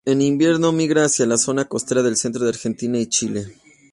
En invierno migra hacia la zona costera del centro de Argentina y Chile.